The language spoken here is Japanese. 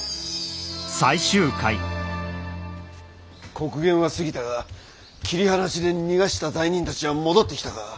刻限は過ぎたが切放しで逃がした罪人たちは戻ってきたか？